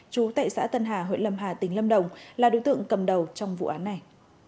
chú tại xã tân hà huyện lâm hà tỉnh lâm đồng là đối tượng cầm đầu trong vụ án này